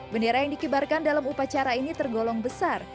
bendera yang dikibarkan dalam upacara ini tergolong besar